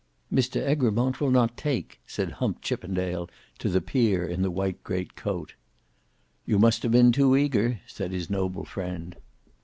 "Mr Egremont will not take," said Hump Chippendale to the peer in the white great coat. "You must have been too eager," said his noble friend.